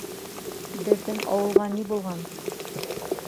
Беҙҙең ауылға ни булған?